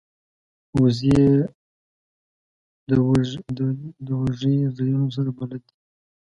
وزې د دوږی ځایونو سره بلد دي